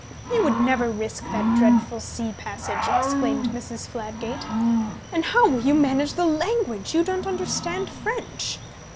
"You would never risk that dreadful sea passage!" exclaimed Mrs. Fladgate. "And how will you manage the language? You don't understand French."